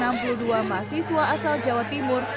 enam puluh dua mahasiswa asal jawa timur